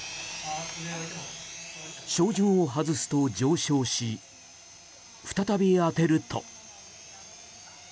照準を外すと上昇し再び当てると。